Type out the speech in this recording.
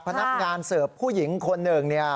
พนักงานเสิร์ฟผู้หญิงคนหนึ่งเนี่ย